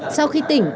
sau khi tỉnh